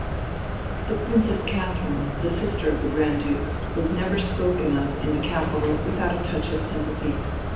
The Princess Catherine, the sister of the Grand Duke, was never spoken of in the capital without a touch of sympathy.